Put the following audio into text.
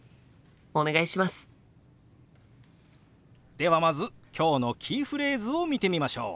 ではまず今日のキーフレーズを見てみましょう。